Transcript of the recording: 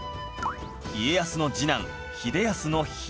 家康の次男秀康の「秀」